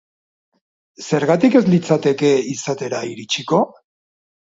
Zergatik ez litzateke izatera iritsiko?